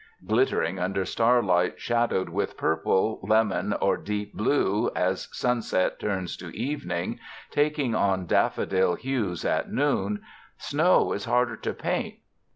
Glittering under starlight, shadowed with purple, lemon, or deep blue as sunset turns to evening, taking on daffodil hues at noon, snow is harder to paint.